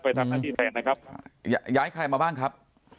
ไปทำหน้าที่แทนนะครับท่านนะครับยไขคล้ายมาบ้างครับ